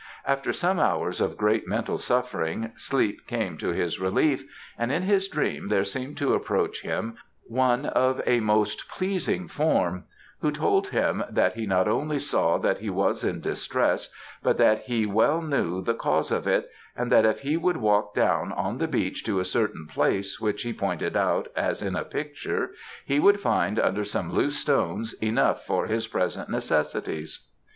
After some hours of great mental suffering sleep came to his relief, and in his dream there seemed to approach him one of a most pleasing form, who told him that he not only saw that he was in distress, but that he well knew the cause of it, and that if he would walk down on the beach to a certain place which he pointed out as in a picture, he would find under some loose stones enough for his present necessities.